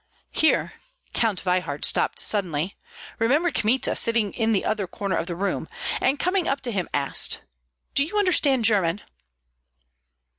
Here Count Veyhard stopped suddenly, remembered Kmita, sitting in the other corner of the room, and coming up to him, asked, "Do you understand German?"